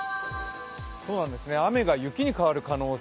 雨が雪に変わる可能性